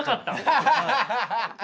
アハハハ。